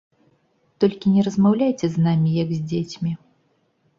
Толькі не размаўляйце з намі, як з дзецьмі.